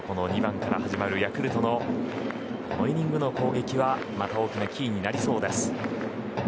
こうなりますと２番から始まるヤクルトのこのイニングの攻撃は大きなキーになりそうです。